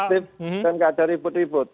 solutif dan gak ada ribut ribut